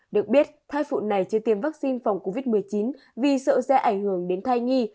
được biết thai phụ này chưa tiêm vaccine phòng covid một mươi chín vì sợ sẽ ảnh hưởng đến thai nhi